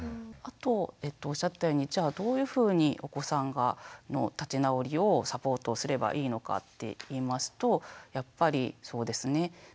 あとおっしゃってたようにじゃあどういうふうにお子さんの立ち直りをサポートすればいいのかっていいますとやっぱりそうですね